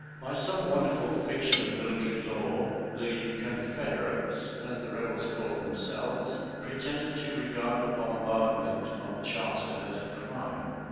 By some wonderful fiction of military law the "Confederates," as the Rebels called themselves, pretended to regard the bombardment of Charleston as a crime.